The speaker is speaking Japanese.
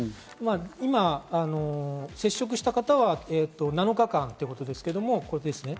今、接触した方は７日間ということですけど、これですね。